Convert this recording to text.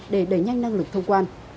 để đẩy nhanh năng lực thông quan